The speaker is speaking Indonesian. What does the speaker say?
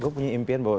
gue punya impian bahwa